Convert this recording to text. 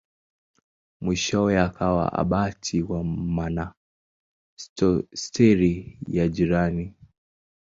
Mwishowe akawa abati wa monasteri ya jirani.